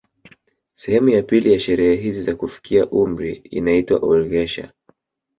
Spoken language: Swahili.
Sehemu ya pili ya sherehe hizi za kufikia umri inaitwa olghesher